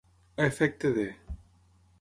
A efecte de.